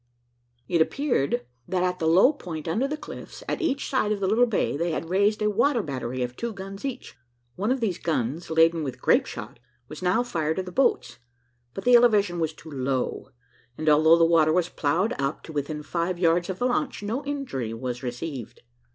It appeared, that at the low point under the cliffs, at each side of the little bay, they had raised a water battery of two guns each. One of these guns, laden with grape shot, was now fired at the boats, but the elevation was too low, and although the water was ploughed up to within five yards of the launch, no injury was received.